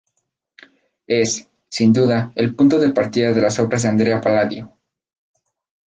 Es, sin duda, el punto de partida de las obras de Andrea Palladio.